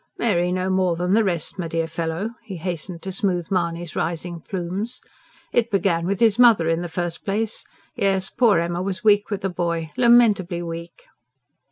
"Mary no more than the rest, my dear fellow," he hastened to smooth Mahony's rising plumes. "It began with his mother in the first place. Yes, poor Emma was weak with the boy lamentably weak!"